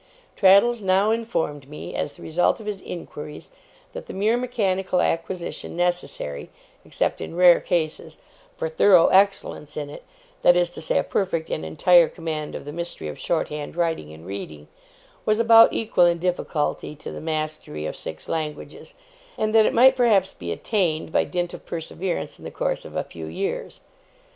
Traddles now informed me, as the result of his inquiries, that the mere mechanical acquisition necessary, except in rare cases, for thorough excellence in it, that is to say, a perfect and entire command of the mystery of short hand writing and reading, was about equal in difficulty to the mastery of six languages; and that it might perhaps be attained, by dint of perseverance, in the course of a few years.